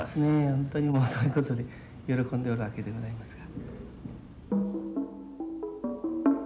本当にもうそういうことで喜んでおるわけでございますが。